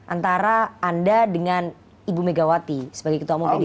antara anda dengan ibu megawati sebagai ketua umum pdip